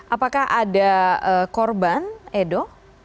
apakah ada korban edo